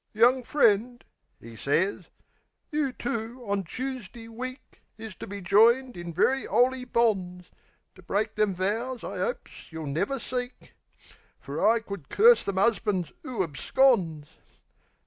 "Young friend," 'e sez, "you two on Choosday week, Is to be joined in very 'oly bonds. To break them vows I 'opes yeh'll never seek; Fer I could curse them 'usbands 'oo absconds!"